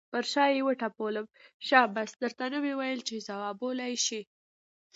پر شا یې وټپلم، شاباس در ته مې نه ویل چې ځوابولی یې شې.